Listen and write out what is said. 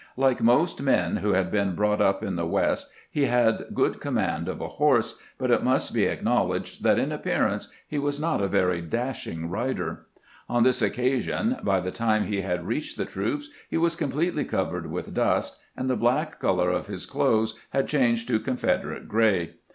Like most men who had been brought up in the West, he had good command of a horse, but it must be acknowledged that in appearance he was not a very dashing rider. On this occasion, by the time he had reached the troops he was completely covered with dust, and the black color of his clothes had changed to Con federate gray.